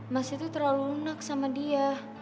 mas itu terlalu lunak sama dia